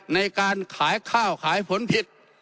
ในการขายข้าวขายผลผิด